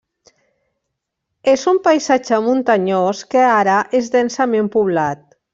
És un paisatge muntanyós, que ara és densament poblat.